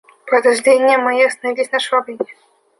Подозрения мои остановились на Швабрине.